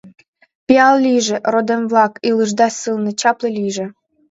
Пиал лийже, родем-влак, илышда сылне, чапле лийже!